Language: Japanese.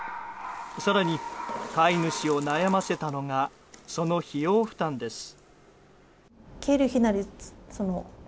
更に飼い主を悩ませたのがその費用負担です。